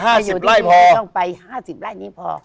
ให้อยู่ที่นี่ต้องไป๕๐ไร่นี้พอ